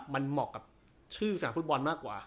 มันเหมาะกับชื่อสนามฟุตบอลมากกว่า